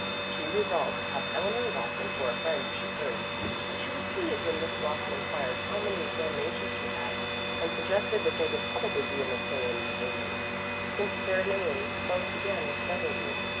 She resolved to have Eleanor Watson for a friend if she could, and was pleased when Miss Watson inquired how many examinations she had, and suggested that they would probably be in the same divisions, since their names both began with W.